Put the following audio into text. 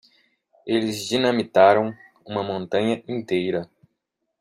Eles dinamitaram uma montanha inteira.